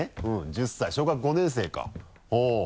１０歳小学５年生かほぉ。